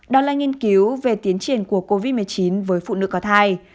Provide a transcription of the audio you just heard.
đó là nghiên cứu về tiến triển của covid một mươi chín với phụ nữ có thai